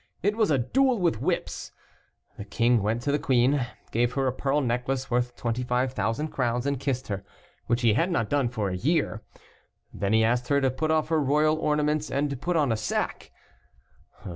It was a duel with whips. The king went to the queen, gave her a pearl necklace worth 25,000 crowns, and kissed her, which he had not done for a year. Then he asked her to put off her royal ornaments and put on a sack.